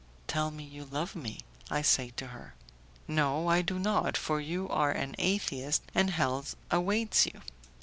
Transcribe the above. "Tell me you love me," I say to her. "No, I do not, for you are an atheist, and hell awaits you."